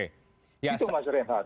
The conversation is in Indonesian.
itu mas rehat